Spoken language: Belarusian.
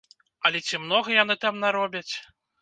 Але ці многа яны там наробяць?